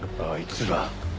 あいつら。